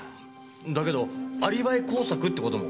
だけどアリバイ工作って事も。